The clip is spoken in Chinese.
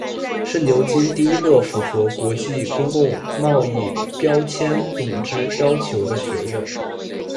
是牛津第一个符合国际公平贸易标签组织要求的学院。